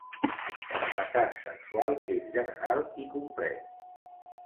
El fracàs sexual és general i complet.